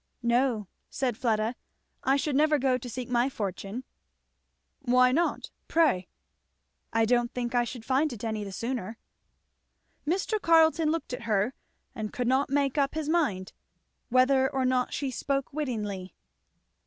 "No," said Fleda, "I should never go to seek my fortune." "Why not, pray." "I don't think I should find it any the sooner." Mr. Carleton looked at her and could not make up his mind! whether or not she spoke wittingly.